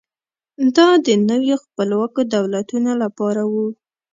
دا د نویو خپلواکو دولتونو لپاره و.